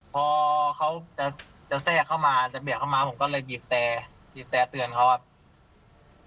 พอเขาจะจะแทรกเข้ามาจะเบียดเข้ามาผมก็เลยบีบแต่บีบแต่เตือนเขาครับ